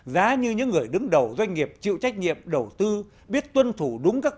giá như những người đứng đầu doanh nghiệp chịu trách nhiệm đầu tư